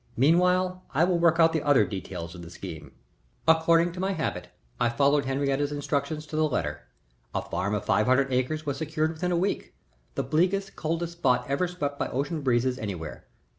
Meanwhile I will work out the other details of the scheme." According to my habit I followed Henriette's instructions to the letter. A farm of five hundred acres was secured within a week, the bleakest, coldest spot ever swept by ocean breezes anywhere.